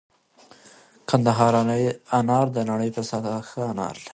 کندهار انار د نړۍ په سطحه ښه انار لري